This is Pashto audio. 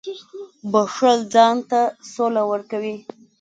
• بښل ځان ته سوله ورکوي.